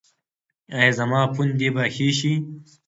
ایا زما پوندې به ښې شي؟